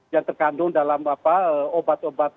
yang terkandung dalam obat obat